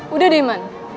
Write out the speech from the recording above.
udah deh man